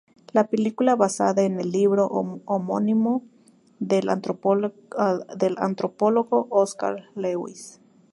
La película basada en el libro homónimo del antropólogo Oscar Lewis.